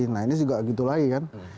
nah ini juga gitu lagi kan